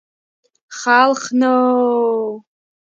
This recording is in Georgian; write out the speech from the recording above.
ხალხნოოოოოოოოოოოოოოო